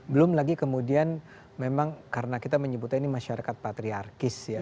belum lagi kemudian memang karena kita menyebutnya ini masyarakat patriarkis ya